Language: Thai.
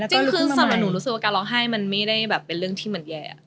จริงคือสำหรับหนูรู้สึกว่าการร้องไห้มันไม่ได้แบบเป็นเรื่องที่มันแย่